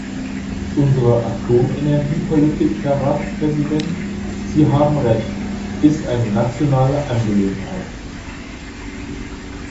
Unsere Atomenergiepolitik – Herr Ratspräsident, Sie haben Recht – ist eine nationale Angelegenheit.